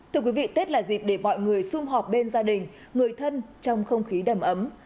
thưa quý vị tết là dịp để mọi người xung họp bên gia đình người thân trong không khí đầm ấm